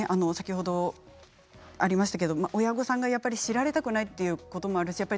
先ほどありましたけれど親御さんが知られたくないということもあるし